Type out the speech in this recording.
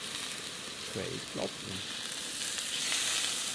Trey glaubt ihm.